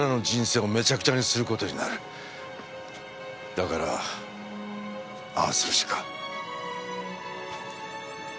だからああするしか。